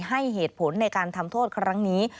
ให้เหตุผลในการทำโทษครั้งนี้